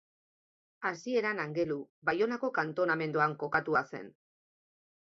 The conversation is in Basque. Hasieran Angelu Baionako kantonamenduan kokatua zen.